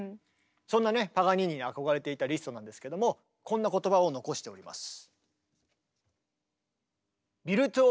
そんなねパガニーニに憧れていたリストなんですけどもこんな言葉を残しております。